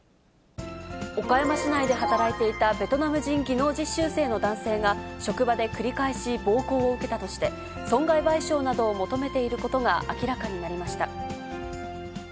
岡山市内で働いていたベトナム人技能実習生の男性が、職場で繰り返し暴行を受けたとして、損害賠償などを求めていることが明らかになりました。